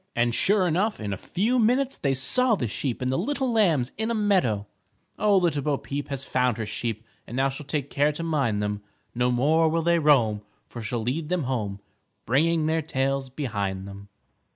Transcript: And sure enough, in a few minutes they saw the sheep and the little lambs in a meadow. _Oh, Little Bo Peep Has found her sheep And now she'll take care to mind them. No more will they roam, For she'll lead them home Bringing their tails behind them.